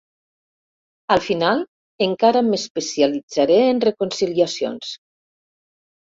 Al final, encara m'especialitzaré en reconciliacions.